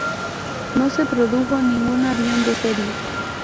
No se produjo ningún avión de serie.